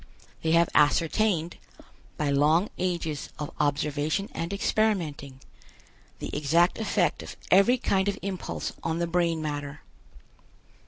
They have ascertained, by long ages of observation and experimenting, the exact effect of every kind of impulse on the brain matter.